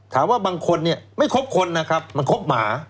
ถามว่าบางคนเนี่ยไม่คบคนนะครับมันคบหมา